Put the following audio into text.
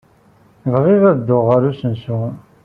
Bɣiɣ ad dduɣ ɣer usensu.